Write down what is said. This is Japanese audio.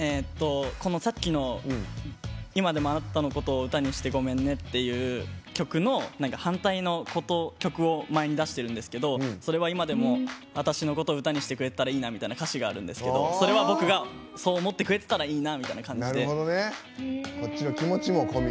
さっきの「あなたのこと歌にしてごめんね」とか曲の反対のことを曲で前に出してるんですけど「今でも私のことを歌にしてくれてたらいいな」みたいな歌詞があるんですけどそれは僕がそう思ってくれてたらいいなみたいな感じで。